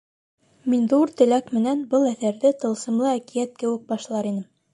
Мин ҙур теләк менән был әҫәрҙе тылсымлы әкиәт кеүек башлар инем.